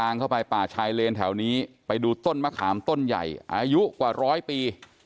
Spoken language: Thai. น่ะเลยไปดูต้นมะขามต้นใหญ่อายุกว่าร้อยปี